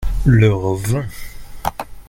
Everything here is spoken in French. leur vin.